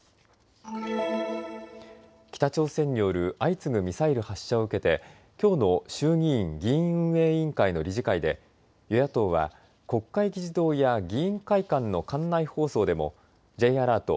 北朝鮮による相次ぐミサイル発射を受けてきょうの衆議院議院運営委員会の理事会で、与野党は国会議事堂や議員会館の館内放送でもＪアラート